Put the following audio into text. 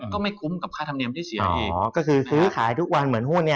ก็ไม่คุ้มกับค่าธรรมเนียมที่เสียอีกก็คือซื้อขายทุกวันเหมือนหุ้นเนี่ย